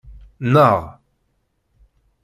Nneɣ.